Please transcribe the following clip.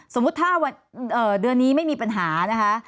สมมุติถ้าวันเดือนนี้ไม่มีปัญหานะคะ